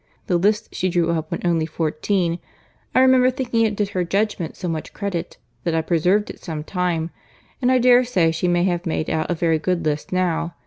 The list she drew up when only fourteen—I remember thinking it did her judgment so much credit, that I preserved it some time; and I dare say she may have made out a very good list now.